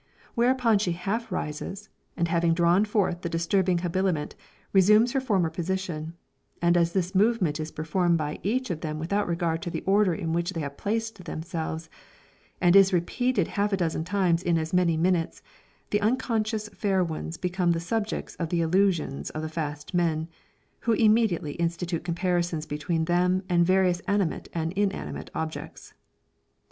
Whereupon she half rises, and having drawn forth the disturbing habiliment, resumes her former position: and as this movement is performed by each one of them without regard to the order in which they have placed themselves, and is repeated half a dozen times in as many minutes, the unconscious fair ones become the subjects of the allusions of the fast men, who immediately institute comparisons between them and various animate and inanimate objects.